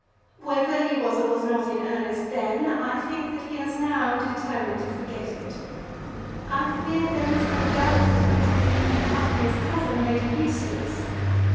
Whether he was or was not in earnest then, I think that he has now determined to forget it. I fear there is no doubt that he has been making love to his cousin, Lady Eustace.